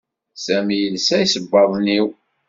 Sami yelsa isebbaḍen iw